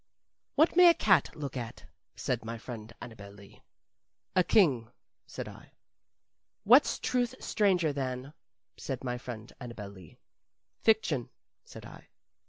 "What may a cat look at?" said my friend Annabel Lee. "A king," said I. "What's truth stranger than?" said my friend Annabel Lee. "Fiction," said I.